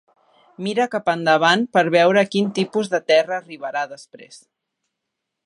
Mira cap endavant per veure a quin tipus de terra arribarà després.